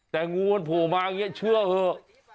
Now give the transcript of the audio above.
แต่งูมันโผล่มาเชื่อเถอะ